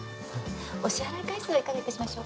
お支払い回数はいかが致しましょうか？